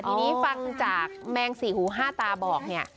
ทีนี้ฟังจากแมงสี่หูห้าตาบอกเนี่ย